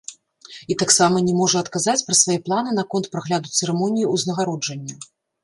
І таксама не можа адказаць пра свае планы наконт прагляду цырымоніі ўзнагароджання.